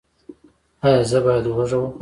ایا زه باید هوږه وخورم؟